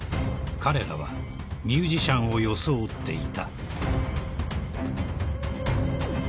彼らはミュージシャンを装っていた］